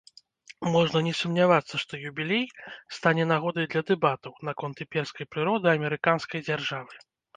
Можна не сумнявацца, што юбілей стане нагодай для дэбатаў наконт імперскай прыроды амерыканскай дзяржавы.